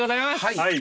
はい。